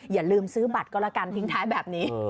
อย่าลืมซื้อบัตรก็แล้วกันทิ้งท้ายแบบนี้